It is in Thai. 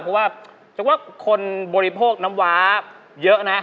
เพราะว่าคนบริโภคน้ำวาเยอะนะ